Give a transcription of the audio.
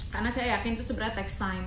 karena saya yakin itu sebenarnya takes time